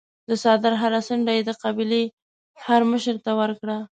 د څادر هره څنډه یې د قبیلې هرمشر ته ورکړه.